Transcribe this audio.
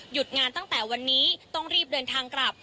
งานตั้งแต่วันนี้ต้องรีบเดินทางกลับ